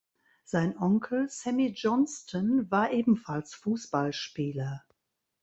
Sein Onkel Sammy Johnston war ebenfalls Fußballspieler.